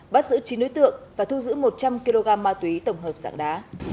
bắt giữ chín đối tượng và thu giữ một trăm linh kg ma túy tổng hợp dạng đá